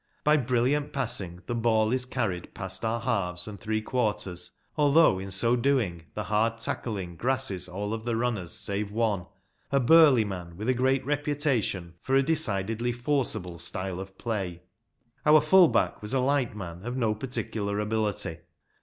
By brilliant passing, the ball is carried past our halves and three quarters, although in so doing the hard tackling grasses all of the runners save one ‚ÄĒ a burly man, with a great reputation for a decidedly forcible style of play. Our full back was a light man of no par ticular ability.